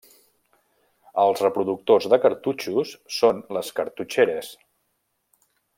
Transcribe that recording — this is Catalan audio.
Els reproductors de cartutxos són les cartutxeres.